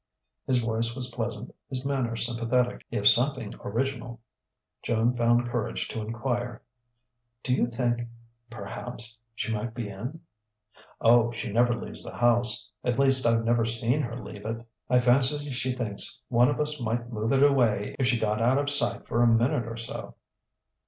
His voice was pleasant, his manner sympathetic if something original. Joan found courage to enquire: "Do you think perhaps she might be in?" "Oh, she never leaves the house. At least, I've never seen her leave it. I fancy she thinks one of us might move it away if she got out of sight for a minute or so."